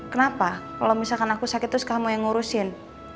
kenapa kalau misalkan aku sakit terus kamu yang ngurusin